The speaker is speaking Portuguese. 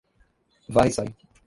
Varre-Sai